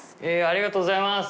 ありがとうございます！